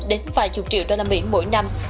đến vài chục triệu đô la mỹ mỗi năm